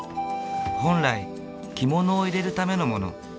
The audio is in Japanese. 本来着物を入れるためのもの。